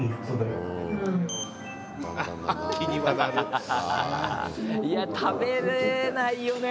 ハハハいや食べれないよね！